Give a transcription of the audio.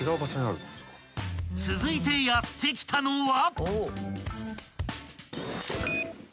［続いてやって来たのは］